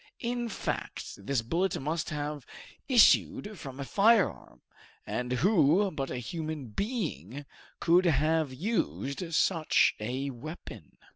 In fact, this bullet must have issued from a firearm, and who but a human being could have used such a weapon?